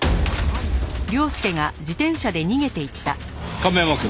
亀山くん！